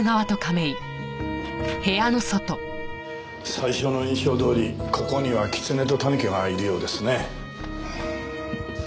最初の印象どおりここにはキツネとタヌキがいるようですね。